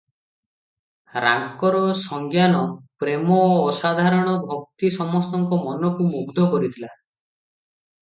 ରାଙ୍କର ସଂଜ୍ଞାନ, ପ୍ରେମ ଓ ଅସାଧାରଣ ଭକ୍ତି ସମସ୍ତଙ୍କ ମନକୁ ମୁଗ୍ଧ କରିଥିଲା ।